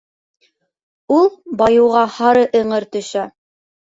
Ул байыуға һары эңер төшә.